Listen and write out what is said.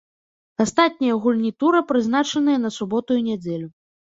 Астатнія гульні тура прызначаныя на суботу і нядзелю.